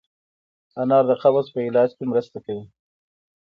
انار د قبض په علاج کې مرسته کوي.